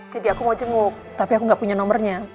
jadi aku mau cenguk tapi aku nggak punya nomernya